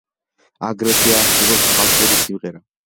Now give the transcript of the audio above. აგრეთვე არსებობს ხალხური სიმღერა.